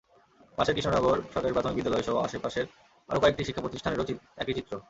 পাশের কৃষ্ণনগর সরকারি প্রাথমিক বিদ্যালয়সহ আশপাশের আরও কয়েকটি শিক্ষাপ্রতিষ্ঠানেরও একই চিত্র।